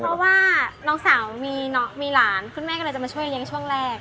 เพราะว่าน้องสาวมีหลานคุณแม่ก็เลยจะมาช่วยเลี้ยงช่วงแรก